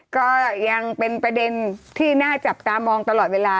ก็ยังเป็นประเด็นที่น่าจับตามองตลอดเวลา